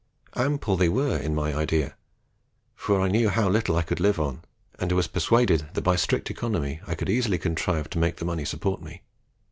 Ample they were in my idea; for I knew how little I could live on, and was persuaded that by strict economy I could easily contrive to make the money support me.